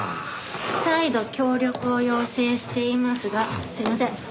再度協力を要請していますがすいません。